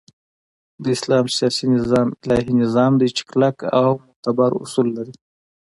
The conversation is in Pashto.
د اسلام سیاسی نظام الهی نظام دی چی کلک او معتبر اصول لری